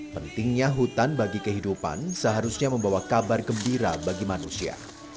pentingnya hutan bagi kehidupan seharusnya membawa kabar gembira bagi manusia